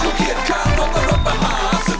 อยู่เคียดข้างรถก็รถประหาสนุก